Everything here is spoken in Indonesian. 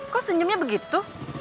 kok senyumnya begitu